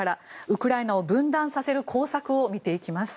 ウクライナを分断させる工作を見ていきます。